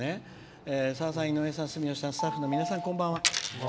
「さださん、住吉さん、井上さんスタッフの皆さん、こんばんは。